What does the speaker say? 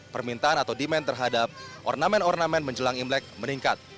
permintaan atau demand terhadap ornamen ornamen menjelang imlek meningkat